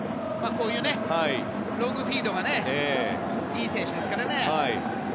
ロングフィードがいい選手ですからね。